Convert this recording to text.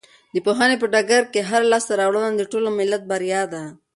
د پوهنې په ډګر کې هره لاسته راوړنه د ټول ملت بریا ده.